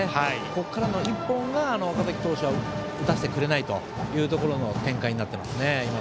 ここからの１本が赤嵜投手は打たせてくれないという展開になっていますね。